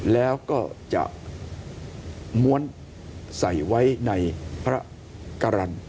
แล้วก็จะม้วนใส่ไว้ในพระกรรณ